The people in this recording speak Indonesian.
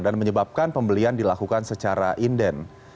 dan menyebabkan pembelian dilakukan secara inden